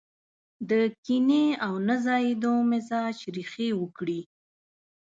د کينې او نه ځايېدو مزاج ريښې وکړي.